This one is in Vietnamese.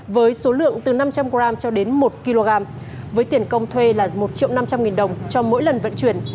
với số lượng từ năm trăm linh g cho đến một kg với tiền công thuê là một triệu năm trăm linh nghìn đồng cho mỗi lần vận chuyển